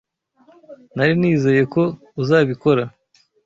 Nari nizeye ko uzabikora